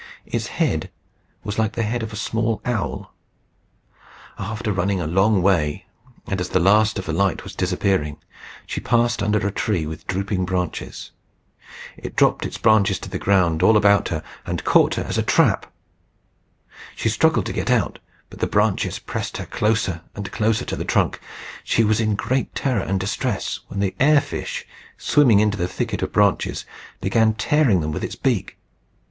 Its head was like the head of a small owl. After running a long way, and as the last of the light was disappearing, she passed under a tree with drooping branches. It dropped its branches to the ground all about her, and caught her as in a trap. She struggled to get out, but the branches pressed her closer and closer to the trunk. She was in great terror and distress, when the air fish, swimming into the thicket of branches, began tearing them with its beak.